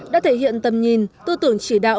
đã thể hiện tầm nhìn tư tưởng chỉ đạo